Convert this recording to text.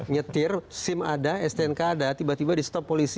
nyetir sim ada stnk ada tiba tiba di stop polisi